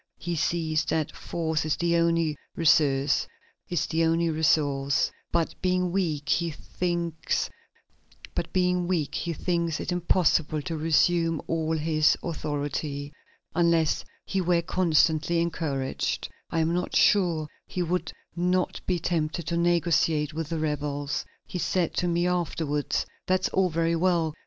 He sees that force is the only resource; but, being weak, he thinks it impossible to resume all his authority.... Unless he were constantly encouraged, I am not sure he would not be tempted to negotiate with the rebels. He said to me afterwards: 'That's all very well!